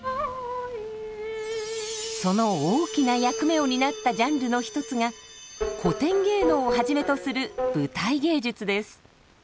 その大きな役目を担ったジャンルの一つが古典芸能をはじめとする舞台芸術です。